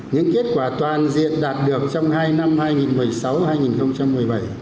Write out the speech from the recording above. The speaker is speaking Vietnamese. những kết quả toàn diện đạt được trong hai năm hai nghìn một mươi sáu hai nghìn một mươi bảy